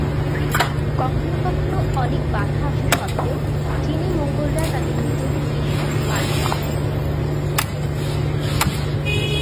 কখনও কখনও অনেক বাধা আসা সত্ত্বেও চীনে মঙ্গোলরা তাদের নিজেদের বিশ্বাস পালন করত।